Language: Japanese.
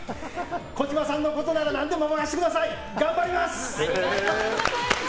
児嶋さんのことなら何でも任せてください、頑張ります。